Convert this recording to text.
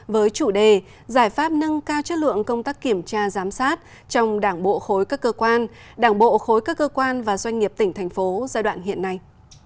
với chủ đề giải pháp nâng cao chất lượng công tác kiểm tra giám sát trong đảng bộ khối các cơ quan đảng bộ khối các cơ quan và doanh nghiệp tỉnh thành phố giai đoạn hiện nay